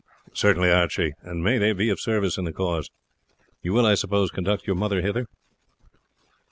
"Certainly, Archie; and may they be of service in the cause. You will, I suppose, conduct your mother hither?"